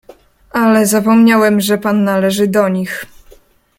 "Ale zapomniałem, że pan należy do nich."